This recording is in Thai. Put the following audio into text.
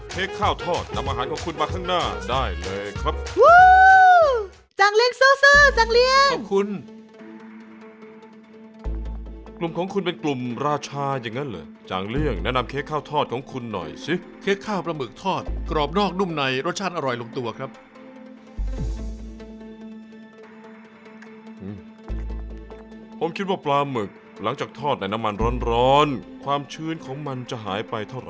ผมกินไปทั้งชิ้นเลย